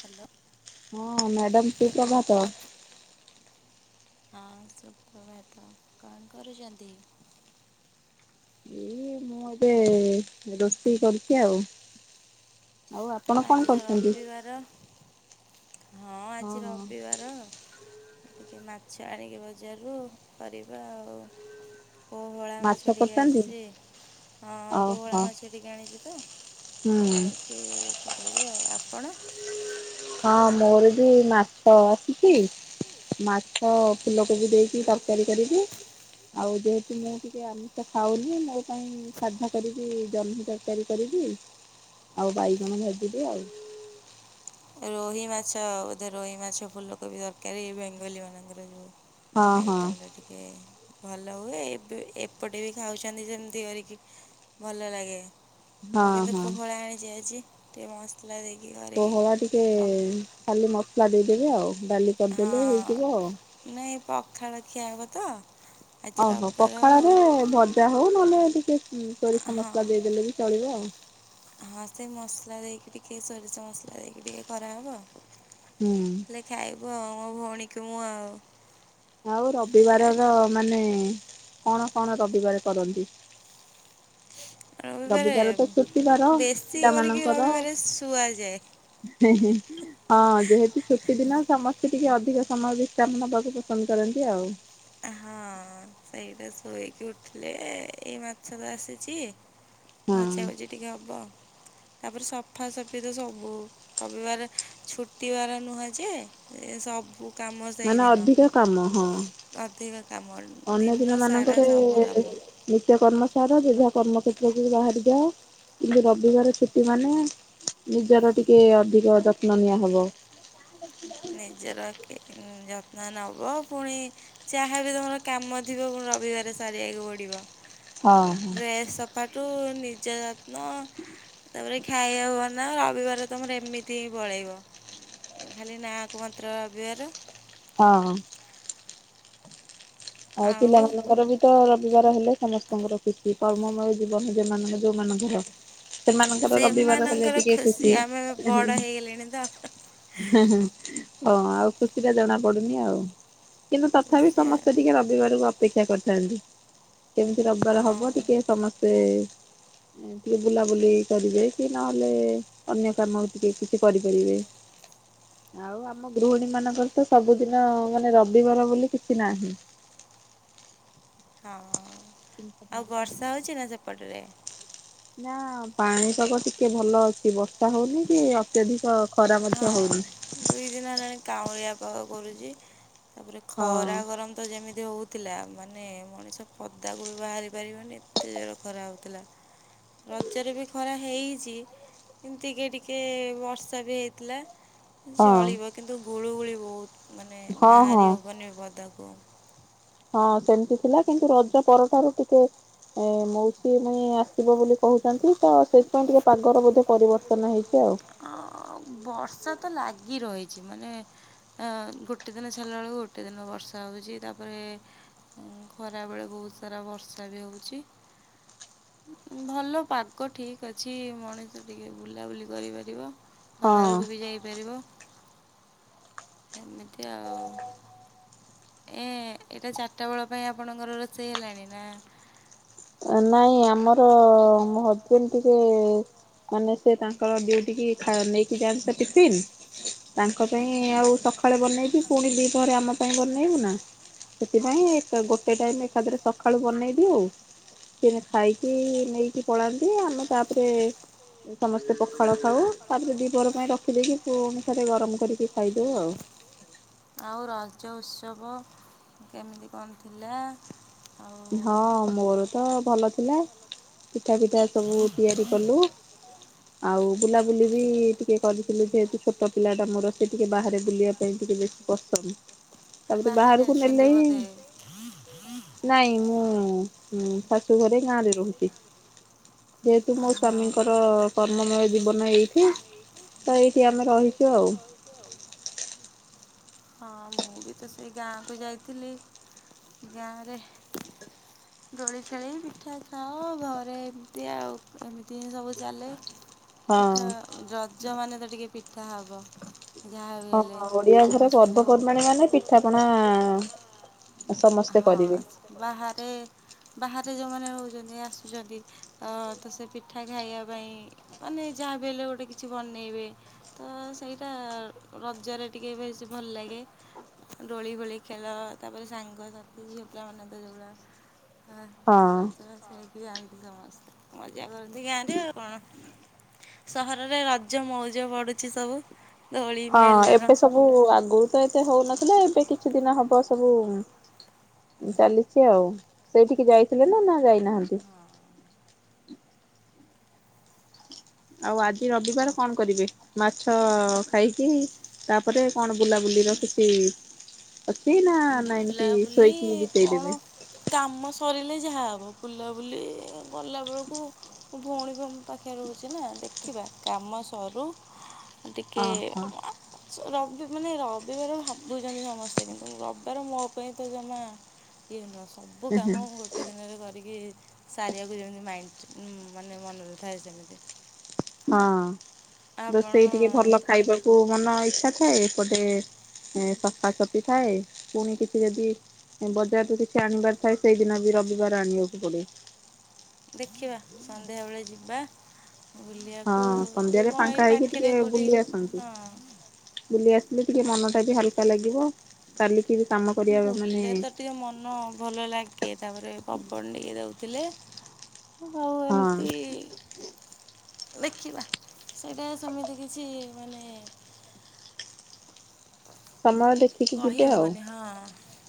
Hello ହଁ madam ସୁ ପ୍ରଭାତ। ହଁ ସୁପ୍ରଭାତ କଣ କରୁଛନ୍ତି? ଏଇ ମୁଁ ଏବେ ରୋଷେଇ କରୁଛି ଆଉ। ଆଉ ଆପଣ କଣ ଆଜି ତ କରୁଛନ୍ତି? ରବିବାର ହଁ ଆଜି ରବିବାର। ଟିକେ ମାଛ ଆଣିକି ବଜାରରୁ କରିବା ଆଉ। ପୋହଳା ମାଛ ଟିକେ ଆସିଛି ହଁ ପୋହଳା ଓହୋ ମାଛ ଟିକେ ଆଣିଛି ତ ଆଣିକି ହୁଁ। [unintelligible] ଆଉ ଆପଣ ହଁ ମୋର ବି ମାଛ ଆସିଛି ମାଛ ଫୁଲକୋବି ଦେଇକି ତରକାରୀ କରିବି। ଆଉ ଯେହେତୁ ମୁଁ ଟିକେ ଆମିଷ ଖାଉନି ମୋ ପାଇଁ ସାଧା କରିବି ଜହ୍ନି ତରକାରୀ କରି ଆଉ ବାଇଗଣ ଭାଜିବି ଆଉ। ରୋହି ମାଛ ବୋଧେ ରୋହି ମାଛ ଫୁଲକୋବି ଦରକାରୀ ବେଙ୍ଗଲୀ ମାନଙ୍କର ଯୋଉ। ହଁ ହଁ ଆଇଟମ ଟା ଟିକେ ଭଲ ହୁଏ ଏବେ ଏପଟେ ବି ଖାଉଛନ୍ତି ସେମିତି କରିକି ଭଲ ଲାଗେ। ମୁଁ ହଁ କିନ୍ତୁ ହଁ। ପୋହଳା ଆଣିଛି ଆଜି ଟିକେ ମସଲା ଦେଇକି କରିବି। ଟି ଖାଲି ମସଲା ଦେଇଦେବେ ଆଉ ଡାଲି କରିଦେଲେ ହେଇଯିବ ଆଉ। ପଖାଳଖିଆ ହବ ତ ଆଜି ଓହୋ ରବିବାର ପଖାଳ ରେ ଭଜା ହଉ ନହେଲେ ଟିକେ ହଁ ସୋରିଷ ହଁ ମସଲା ଦେଇଦେଲେ ବି ଚଳିବ ଆଉ। ହଁ ସେ ମସଲା ଦେଇକି ଟିକେ ସୋରିଷ ମସଲା ଦେଇକି ଟିକେ କରା ହବ। ହୁଁ। ମୋ ଭୋଉଣୀକୁ ମୁଁ ଆଉ ଆଉ ରବିବାରର ଆଜି ମାନେ କଣ କଣ ରବିବାରେ କରନ୍ତି? ଆ ରବିବାରେ ରବିବାର ତ ଛୁଟିବାର ବେଶୀ କରିକି ପିଲାମାନଙ୍କର। ରବିବାରେ ଶୁଆଯାଏ ହଁ ଯେହେତୁ ଛୁଟି ଦିନ ସମ ସେ ଟିକେ ଅଧିକ ସମୟ ବିଶ୍ରାମ ନବାକୁ ପସନ୍ଦ କରନ୍ତି ଆଉ। ହଁ ସେଇଟା ଶୋଇକି ଉଠିଲେ ଏଇ ମାଛ ତ ଆସିଚି। ଭଜା ଭୁଜି ଟିକେ ହବ। ହ ତାପରେ ସଫାସଫି ତ ସବୁ ରବିବାର ଛୁଟିବାର ନୁହଁ ଯେ ସବୁ କାମ ମାନେ ସେଇଦିନ ଅଧିକ କାମ ହଁ। ଅଧିକ କାମ ଅନ୍ୟ ଦିନ ସାରା ଦିନମାନଙ୍କରେ ସବୁ କାମ ନିତ୍ୟ କର୍ମ ସା ଯ ଯେଝା କର୍ମକ୍ଷେତ୍ରକୁ ବାହାରି ଯାଅ କିନ୍ତୁ ରବିବାର ଛୁଟି ମାନେ ନିଜର ଟିକେ ଅଧିକ ଯତ୍ନ ନିଆ ହବ। ନିଜର ଏ ଯତ୍ନ ନବ ପୁଣି ଯାହା ବି ତମର କାମ ଥିବ ପୁଣି ରବିବାରେ ସାରି ଆ ତୁ ଅଡ଼ିବ ହଁ ହଁ ଡ୍ରେସ୍ ସଫାଠୁ ନିଜ ଯତ୍ନ ତାପରେ ଖାଇଆଉ ବନାଅ ରବିବାର ତମର ଏମିତି ହିଁ ପଳେଇବ ଖାଲି ନାଁ କୁ ମାତ୍ର ଅବିବାର। ହଁ। ଆଉ ପିଲାମାନଙ୍କର ବି ତ ରବିବାର ହେଲେ ସମସ୍ତଙ୍କର ଖୁସି କର୍ମମୟ ଜୀବନ ଯେମାନଙ୍କ ଯୋଉମାନ ଙ୍କର ସେମାନଙ୍କର ରବିବାର ହେଲେ ସେମାନଙ୍କର ଟିକେ ଖୁସି। ଆମେ ବଡ଼ ହେଇଗଲେଣି ତ ହଁ ଆଉ ଖୁସିରେ ଜଣା ପଡୁ଼ନି ଆଉ। ଅସିଆ ବିବାରକୁ ଅପେକ୍ଷା କରିଥାଆନ୍ତି କେମିତି ରବିବାର ହଁ ହବ ଟିକେ ସମସ୍ତେ ଏଁ ଟିକେ ବୁଲାବୁଲି କରିବେ କି ନହେଲେ ଅନ୍ୟ କାମ ଟିକେ କିଛି କରିପାରିବେ। ଆଉ ଆମ ଗୃହିଣୀମାନଙ୍କର ତ ସବୁଦିନ ମାନେ ରବିବାର ବୋଲି କିଛି ନାହିଁ। ହଁ ଆଉ ବର୍ଷା ହଉଚି ନାଁ ସେପଟରେ? ନାଁ ପାଣିଶକ ଟିକେ ଭଲ ଅଛି ବର୍ଷା ହୋଉନି କି ଅତ୍ୟଧିକ ଖରା ହଁ ମଧ୍ୟ ହଉନି। ଦୁଇ ଦିନ ହେଲାଣି କାଉଁଳିଆ ପାଗ କରୁଚି। ତାପରେ ହଁ ଖରା ଗରମ ତ ଯେମିତି ହଉ ଥିଲା ମାନେ ମଣିଷ ପଦାକୁ ବି ବାହାରି ପାରିବନି ଏତେ ଜୋର୍ ଖରା ହୋଉଥୁଲା। ରଜରେ ବି ଖରା ହେଇଚି କିନ୍ ଟିକେ ଟିକେ ବର୍ଷା ବି ହେଇ ଥିଲା ଉଁ ହଁ ଚଳିବ କିନ୍ତୁ ଗୁଳୁଗୁଳି ବହୁତ। ମାନେ ହଁ ହଁ ବାହାରି ହବନି ବଦାକୁ। ହଁ ସେମିତି ଥିଲା କିନ୍ତୁ ରଜ ପରଠାରୁ ଟିକେ ଏ ମୌସୁମୀ ପାଇଁ ଆସିବ ବୋଲି କହୁଛନ୍ତି ତ ସେ ପାଇଁ ଟିକେ ପାଗର ବୋଧେ ପରିବର୍ତ୍ତନ ହେଇଚି ଆଉ। ଅ ବର୍ଷା ତ ଲାଗି ରହିଚି ମାନେ ଅ ଗୋଟେ ଦିନ ଛାଡ଼ିଲା ଅଳୁ ଗୋଟେ ଦିନ ବର୍ଷା ହଉଚି ତାପରେ ଏ ଉଁ ଖରାବେଳେ ବୋହୁତ ସାରା ବର୍ଷା ବି ହଉଚି। ଉଁ ଭଲ ପାଗ ଠି କ୍ ଅଛି ମଣିଷ ଟିକେ ବୁଲାବୁଲି କରିପାରିବ ବାହାରୁକୁ ବି ଯାଇପାରିବ। ଏମିତି ଆଉ। ଏ ଏଇଟା ଚାରିଟା ବେଳ ପାଇଁ ଆପଣଙ୍କର ରୋଷେଇ ହେଲାଣି ନାଁ? ନାଇଁ ଆମର ମୋ ହଜବେଣ୍ଡ ଟିକେ ମାନେ ସେ ତାଙ୍କର ଡିଉଟିିକି ଖା ନେଇକି ଯାଆନ୍ତି ତ ଟିଫିନ୍ ତାଙ୍କ ପାଇଁ ଆଜ୍ଞା ଆଉ ସଖାଳେ ବନେଇବି ପୁଣି ଦିପହରେ ଆମ ପାଇଁ ବନେଇବୁ ନାଁ? ସେଥିପାଇଁ ଏକା ଗୋଟେ ଟାଇମ୍ ଏକାଥରେ ସଖାଳୁ ବନେଇବି ଆଉ। ସେ ଖାଇକି ନେଇକି ପଳାନ୍ତି ଆମେ ତାପରେ ସମସ୍ତେ ପଖାଳ ଖାଉ ତାପରେ ଦିିପହର ପାଇଁ ରଖିଦେଇକି ପୁଣି ଥରେ ଗରମ କରିକି ଖାଇଦଉ ଆଉ। [inaudible] ଆଉ ରଜ ଉତ୍ସବ କେମିତି କଣ ଥିଲା? ଆଁ ହଁ ମୋର ତ ଭଲ ଥିଲା କି ମିଠା ପିଠା ସବୁ ତିଆରି କଲୁ [unintelligible] ଆଉ ବୁଲାବୁଲି ବି ଟିକେ କରିଥିଲୁ ଯେହେତୁ ଛୋଟ ପିଲା ଟା ମୋର ସେ ଟିକେ ବାହାରେ ବୁଲିବାକୁ ସେ ଟିକେ ବେଶି ପସନ୍ଦ୍ ବାହାରେ ଅଛନ୍ତି ବୋଧେ। ନାଇଁ ମୁଁ ଶାଶୁ ଘରେ ଗାଁରେ ରହୁଛି। ଯେହେତୁ ହଁ। ମୋ ସ୍ଵାମୀଙ୍କର କର୍ମମେୟ ଜୀବନ ଏଇଠି। ତ ଏଇଠି ଆମେ ରହିଛୁ ଆଉ। ହଁ ମୁଁ ବି ତ ସେଇ ଗାଁକୁ ଯାଇଥିଲି। ଗାଁରେ ହେ ଦୋଳି ଖେଳି ପିଠା ଖାଅ ଘରେ ଏମିତି ଆଉ ଏମିତି ସବୁ ଚାଲେ। ହଁ ପିଠା ରଜ ମାନେ ତ ଟିକେ ପିଠା ହବ। ଯାହା ବି ହେଲେ ହଁ ଓଡିଆ ଘରେ ସମସ୍ତେ ଯୋଉ [unintelligible] ପର୍ବପର୍ବାଣୀ ମାନେ ପର୍ବପର୍ବାଣି ପିଠାପଣା ମାନେ ପିଠାପଣା ସମସ୍ତେ କରିବେ ହଁ ବାହାରେ। ବାହାରେ ଯୋଉମାନେ ରହୁଛନ୍ତି ଆସୁଛନ୍ତି ତ ସେ ପିଠା ଖାଇବା ପାଇଁ ମାନେ ଯାହା ବି ହେଲେ ଗୋଟେ କିଛି ବନେଇବେ ତ ସେଇଟା ରଜରେ ଟିକେ ବେଶୀ ଭଲ ଲେଗେ ଲାଗେ ଦୋଳି ଗୋଳି ଖେଳ ତାପରେ ସାଙ୍ଗସାଥୀ ଝିଅପିଲାମାନେ ତ ଯୋଉଭଳିଆ ହ ହଁ। ସଇକି ଯାନ୍ତି ସମସ୍ତେ ମଜା କରନ୍ତି ଗାଁରେ ଆଉ କଣ। ସହରରେ ରଜ ମଉଜ ବଢ଼ୁଛି ସବୁ। ଦୋଳି ହଁ ଏବେ ମେଲଣ। ସବୁ ଆଗରୁ ତ ଏତେ ହଉନଥିଲା ଏବେ କିଛି ଦିନ ହବ ସବୁ ଉଁ ଚାଲିଛି ଆଉ ସେଇଠିକି ଯାଇଥିଲେ ନା ନା ଯାଇନାହାନ୍ତି? ଆଉ ଆଜି ରବିବାର କଣ କରିବେ ମାଛ ଖାଇକି ତାପରେ କଣ ବୁଲାବୁଲି। ଦିନ କିଛି ଅଛି ନା ନାଇ ଏମ୍ତି ବୁଲାବୁଲି ଶୋଇକି କଣ ବିତେଇଦେବେ। କାମ ସରିଲେ ଯାହାହବ ବୁଲାବୁଲି ଗଲାବେଳକୁ ଭଉଣୀ ପାଖରେ ରହୁଛି ନା ଦେଖିବା କାମ ସରୁ। ଟିକେ ଓହୋ। ଅଅ ରବି ମାନେ ରବିବାର ଭାବୁଛନ୍ତି ସମସ୍ତେ କିନ୍ତୁ ରବି ବାର ମୋ ପାଇଁ ତ ଜମା ଇଏ ନୁହେଁ ସବୁ କାମ ମୁଁ ଗୋଟେ ଦିନରେ କରି କି ସାରିବାକୁ ଯେମିତି ମାଇଣ୍ଡ ମାନେ ମନରେ ଥାଏ ସେମିତି ହଁ ରୋଷେଇ ଟିକେ ଆପଣ ଭଲ ଖାଇବାକୁ ମନ ଇଚ୍ଛା ଥାଏ ଏପଟେ। ଏ ସଫାସଫି ଥାଏ ପୁଣି କିଛି ଯଦି ବଜାରରେୁ କିଛି ଆଣିବାର ଥାଏ ସେଇଦିନ ବି ରବିବାର ଆଣିବାକୁ ପଡ଼େ। ଦେଖିବା ସନ୍ଧ୍ୟା ବେଳେ ଯିବା ବୁଲିବାକୁ ହଁ ସନ୍ଧ୍ୟାରେ କ'ଣ ଏଇ ପାଂଖା ହେଇକି ପାଖରେ ଟିକେ କେଉଁଠି ବୁଲି ଆସନ୍ତୁ ହଁ ବୁଲି ଆସ ଟିକେ ମନଟା ବି ହଲକା ଲାଗିବ କାଲି ବୁଲିଲେ ତ ଟିକେ ମନ ଭଲ ଲାଗେ। କିଏ ତାପରେ ପବନ ଟିକଏ ଦେଉଥିଲେ ଆଉ ଏମ୍ତି। ହଁ ଦେଖିବା ସେଇଟା ସେମିତି କିଛି ମାନେ ଉଁ ସମୟ ଦେଖିକି ଯିବେ ଆଉ। କହିହେବନି ହଁ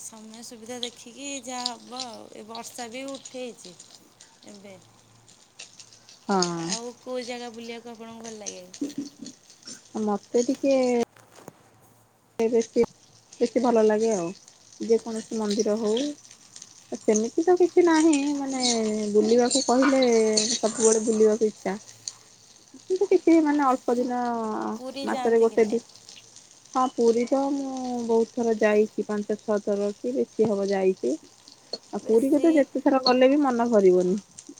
ସମୟ ସୁବିଧା ଦେଖିକି ଯାହା ହେବ ଆଉ ଏ ବର୍ଷା ବି ଉଠେଇଛି। ଏବେ। ହଁ। ଆଉ କୋଉ ଜାଗା ବୁଲିବାକୁ ଆପଣଙ୍କୁ ଭଲ ଲାଗେ। ମତେ ଟିକେ ଏ ବେଶୀ ବେଶୀ ଭଲ ଲାଗେ ଆଉ ଯେକୌଣସି ମନ୍ଦିର ହଉ ସେମିତି ତ କିଛି ନାହିଁ ମାନେ ବୁଲିବାକୁ କହିଲେ ସବୁବେଳେ ବୁଲିବାକୁ ଇଛା। ଇଚ୍ଛା କିଛି ମାନେ ଅଳ୍ପ ଦିନ।। ଦିନ ପୁରୀ ଅଁ ମାସରେ ଯାଆନ୍ତି କି ଗୋଟେ ନାହିଁ ଦି ହଁ ପୁରୀ ତ ମୁଁ ବହୁତ ଥର ଯାଇଛି ପାଞ୍ଚ ଛଅ ଥର କି ବେଶୀ ହବ ଯାଇଛି। ଆଉ ପୁରୀକୁ ତ ବେଶୀ ଯେତେ ଥର କଲେ ବି ମନ ଭରିବନି।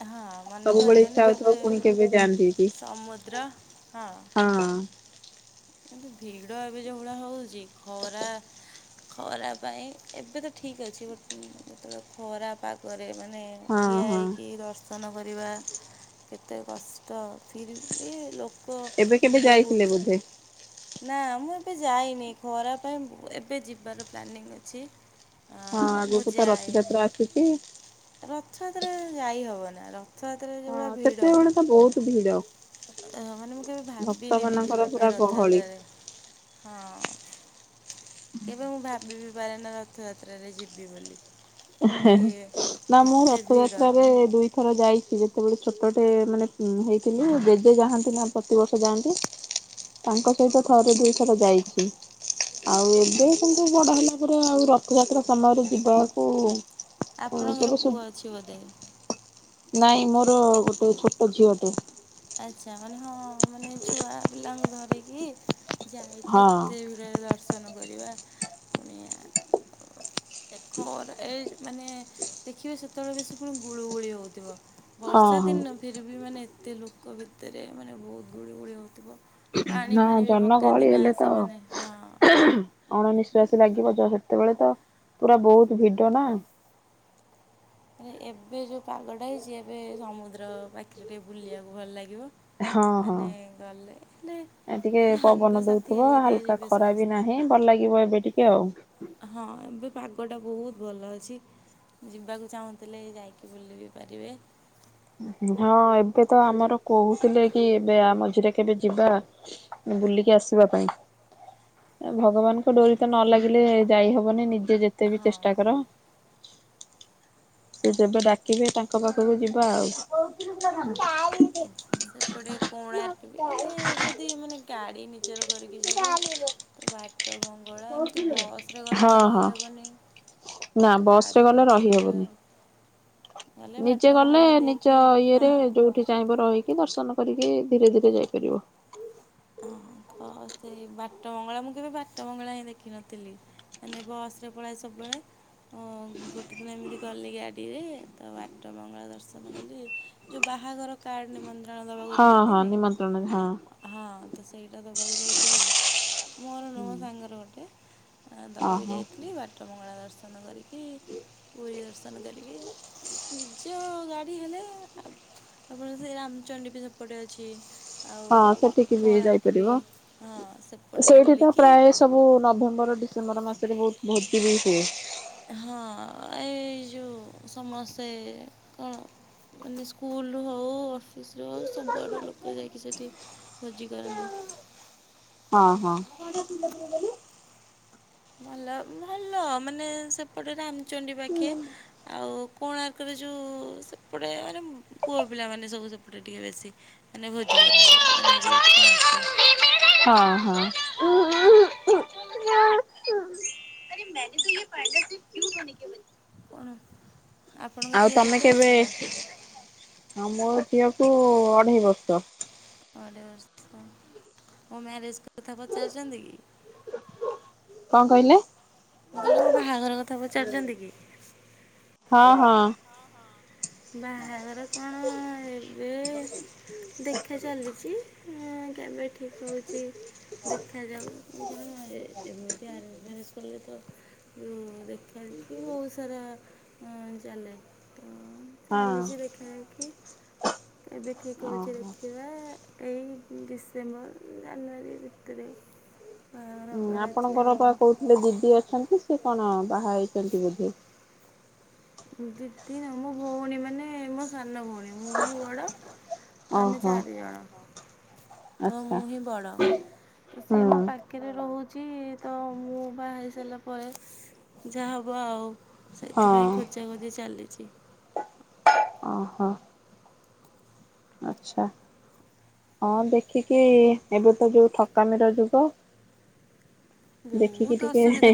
ହଁ ମନ ସବୁବେଳେ ଭରିବନି ଇଚ୍ଛା ହଉଥିବ ତାପରେ ପୁଣି କେବେ ଯାଆନ୍ତି କି ସମୁଦ୍ର, ହଁ। ହଁ କିନ୍ତୁ ଭିଡ ଏବେ ଯୋଉ ଭଳିଆ ହଉଛି, ଖରା ଖରା ପାଇଁ ଏବେ ତ ଠିକ ଅଛି, ବଟ ଯେତେବେଳେ ଖରା ପାଗରେ ମାନେ ହଁ ଠିଆ ହଁ। ହେଇକି ଦର୍ଶ୍ ସନ କରିବା କେତେ କଷ୍ଟ, ଫିର୍ ବି ଲୋକ ଏବେ କେବେ ବହୁତ ଯାଇଥିଲେ ବୋଧେ? ନା ମୁଁ ଏବେ ଯାଇନି ଖରା ପାଇଁ, ଏବେ ଯିବାର ପ୍ଲାନିଂ ଅଛି। ହଁ ଆଗକୁ ତ ରଥଯାତ୍ରା ଆସିଛି। ରଥାଯାତ୍ରାରେ ଯାଇ ହବନି ରଥ ହଁ ସେତେବେଳେ ତ ବହୁତ ଭିଡ। ଅ ମାନେ ମୁଁ କେବେ ଭକ୍ତ ଭାବିନି ବିି ମାନଙ୍କର ଯିବା ପାଇଁ ପୁରା ଗହଳି। ରଥଯାତ୍ରାର, ହଁ। କେବେ ମୁଁ ଭାବି ବିି ପାରେ ନା ରଥଯାତ୍ର ରେ ଯିବି ବୋଲି। ହେ ହେ କି ନାଁ ମୁଁ ଏତେ ଭିଡ଼ ରଥଯାତ୍ରାରେ ଦୁଇଥର ଯାଇଛି ଯେ। ସେତେବେଳେ ଛୋଟଟେ ମାନେ ହେଇଥିଲୁ ଜେଜେ ଯାଆନ୍ତି ନା ପ୍ରତିବର୍ଷ ଯାଆନ୍ତି। ତାଙ୍କ ସହିତ ଥରେ ଦୁଇଥର ଯାଇଛି। ଆଉ ଏବେ କିନ୍ତୁ ବଡ ହେଲା ପରେ ଆଉ ରଥଯାତ୍ରା ସମୟରେ ଯିବାକୁ ଆପଣଙ୍କର କେବେ ସୁ ପୁଅ ଅଛି ବୋଧେ? ନାଇଁ ମୋର ଗୋଟେ ଛୋଟ ଝିଅ ଟେ। ଆଚ୍ଛା ମାନେ ହଁ ମାନେ ଛୁଆ ପିଲାଙ୍କୁ ଧରିକି ଯାଇକି ହଁ ଏତେ ଭିଡ଼ରେ ଦର୍ଶନ କରିବା, ପୁଣି ଦେଖର ଏ ମାନେ ଦେଖିବେ ସେତେବେଳେ ବେଶୀ ପୁଣି ଗୁଳୁଗୁଳି ହଉଥିବ। ହଁ ବର୍ଷା ହଁ। ଦିନ ଫିର୍ ବି ମାନେ ଏତେ ଲୋକ ଭିତରେ ମାନେ ବହୁତ ଗୁଳି ଗୁଳି ହଉଥିବ। ହଁ ଜନ ଗହଳି ହେଲେ ତ, ହଁ। ଆହାଁ ହାଁ ଅଣ ନିିଶ୍ଵାସ ଲାଗିବ ଯେତ ସେତେବେଳେ ତ ପୁରା ବହୁତ ଭିଡ ନା। ମ ଏବେ ଯୋଉ ପାଗଟା ହେଇଛି ଏବେ ସମୁଦ୍ର ପାଖରେ ଟିକେ ବୁଲିବାକୁ ଭଲ ଲାଗିବ। ଆନେ ଗଲେ ନେ ଏ ଟିକେ ପବନ ଦଉଥିବ ହାଲକା ଖରା ବି ସମସ୍ତେ। ନାହିଁ ଭଲ ଲାଗିବ ଏବେ ଟିକେ ଆଉ। ପୋଗଟା ବହୁତ ଭଲ ଅଛି, ଯିବାକୁ ଚାହୁଁଥିଲେ ଯାଇକି ବୁଲି ବି ପାରିବେ। ହଁ ଏବେ ତ ଆମର କହୁଥିଲେ କି ଏବେ ଆମ ମଝିରେ କେବେ ଯିବା ବୁଲିକି ଆସିବା ପାଇଁ। ଭଗବାନଙ୍କ ଡୋରି ତ ନ ଲାଗିଲେ ଯାଇ ହବନି, ନିଜ ଯିଏ ଯେତେ ବି ଚେଷ୍ଟା ହଁ କର। ସେ ଯେବେ ଡାକିବେ ତାଙ୍କ ପାଖକୁ ଯିବା ଆଉ। ସେପଟେ କୋଣାର୍କ ବି ମାନେ ଯଦି ମାନେ ଗାଡ଼ି ନିଜର କରିକି ଯିବ ତ ବାଟ ବଙ୍ଗଳା ଏମିତି ବସ ରେ ଗଲେ ହଁ ତ ହଁ ରହିହବନି। ନା ବସ ରେ ଗଲେ ରହିହବନି। ଗଲେ ବାଟ ନିଜେ ଗଲେ ବଙ୍ଗଳା ନିଜ ଦେଇକି ଇଏରେ ହଁ ଯୋଉଠି ଚାହିଁବ ରହି ଦର୍ଶନ କରିକି ଧୀରେ ଧୀରେ ଯାଇପାରିବ। ଅ ତ ସେଇ ବାଟ ବଙ୍ଗଳା, ମୁଁ କେବେ ବାଟ ବଙ୍ଗଳା ହିଁ ଦେଖିନଥିଲି। ମାନେ ବସରେ ପଳାଏ ସବୁବେଳେ। ହଁ ଗୋଟେ ଦିନ ଏମିତି ଗଲି ଗାଡିରେ ତ ବାଟ ମଙ୍ଗଳା ଦର୍ଶନ କଲି ଯୋଉ ବା ବାହାଘର କାର୍ଡ ନିମନ୍ ହଁ ହଁ ନିମନ୍ତ୍ରଣରେ ହଁ। ହଁ ତ ସେଇଟା ଦବାକୁ ଯାଇଥିଲି, ମୋର ନୁହଁ ସାଙ୍ଗର ଗୋଟେ। ଦବାକୁ ଓହୋ। ଯାଇଥିଲି ବାଟ ମଙ୍ଗଳା ଦର୍ଶନ କି ପୁରୀ ଦର୍ଶନ କରିକି ନିଜ ଗାଡ଼ି ହେଲେ ଆପଣଙ୍କ ସେଇ ରାମଚଣ୍ଡୀ ବି ସେପଟେ ଅଛି। ଆଉ ହଁ ସେଠିକି ବୁ କୋଣାର୍କ ବି ଯାଇପାରିବ, ହଁ ସେପଟେ ସେଇଠି ତ ବୁଲିକି ପ୍ରାୟ ସବୁ ନଭେମ୍ବର ଡୀ ଡିସେମ୍ବର ମାସରେ ବହୁତ ଭୋଜି ବି ହୁଏ। ହଁ, ଏଇ ଯୋଉ ସମସ୍ତେ କଣ? ମାନେ ସ୍କୁଲ ରୁ, ହଉ ଅଫିସ ରୁ ହଉ, ସବୁଆଡ ଲୋକ ଯାଇକି ସେଠି ଭୋଜି କରନ୍ତି। ହଁ ହଁ। ଭଲ, ଭଲ ମାନେ, ସେପଟେ ରାମଚଣ୍ଡୀ ପାଖେ ଆଉ କୋଣାର୍କରେ ଯୋଉ, ସେପଟେ ମାନେ ପୁଅ ପିଲା ମାନେ ସବୁ ସେପଟେ ଟିକେ ବେଶୀ, ମାନେ ଭୋଜି କରନ୍ତି, ମାନେ ଯୋଉ କୋଣାର୍କ। ହଁ ହଁ [unintelligible] ଆରେ ମେେ ତ ପିଲ ସେ କୁ ହେ କେ ବ [unintelligible] ହଣ [unintelligible] ଆଉ ତମେ କେବେ ଆମ ଝିଅକୁ ଅଢେଇ ବର୍ଷ। ଅ ବର୍ଷ [unintelligible] ମୋ ମ୍ୟାରେଜ କଥା ପଚାରୁଛନ୍ତି କି? କଣ କହିଲେ? ମୁଁ କହିଲି, ମୋ ବାହାଘର କଥା ପଚାରୁଛନ୍ତି କି? ହଁ ହଁ ବାହାଘର କଣ? ଏବେ ଦେଖା ଚାଲିଛି, କେବେ ଠିକ୍ ହଉଛି? ଦେଖାଯାଉ, ଯେ ଏମିତି ଆ ତ ଯଉ ଦେଖାଦେଖି ବହୁତ ସାରା ଚାଲେ, ତ ହଁ ଚାଲିଛି ଦେଖା ହେକି, ଏବେ ଠିକ୍ ହେଉଛି ଓହୋ। ଦେଖିବା? ଏଇ ଡିସେମ୍ବର, ଜାନୁଆରୀ ଭିତରେ ବାହାଘର ଉଁ, ହେବାର ଅଛି ଆପଣଙ୍କର ଆଉ ବା କହୁଥିଲେ ଦିଦି ଅଛନ୍ତି ସେ କଣ ବାହା ହେଇଛି? ଚଣ୍ଟି ବି [unintelligible] ଦିଦି ନୁ ମୋ ଭଉଣୀ ମାନେ, ମୋ ସାନ ଭଉଣୀ, ମୁଁ ହିଁ ବଡ। ଆମେ ଓହୋ ଚାରି ଜଣ। ତ ଆଚ୍ଛା ମୁଁ ହିଁ ବଡ, ସେ ମୋ ହଁ ପାଖରେ ରହୁଛି। ତ ମୁଁ, ବାହାହେଇ ସାରିଲା ପରେ ଯାହା ହେବ ଆଉ, ସେଥିପାଇଁ ଖୋଜ ଓତ [unintelligible] ଚାଲଛି। ଓହୋ। ଆଚ୍ଛା ହଁ, ଦେଖିକି ଏବେ ତ ଯୋଉ ଠକାମିର ଯୁଗ। ଦେଖିକି ବହୁତ ଟିକେ ଅସୁବିଧା